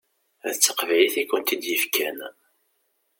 D taqbaylit i kent-id-yefkan.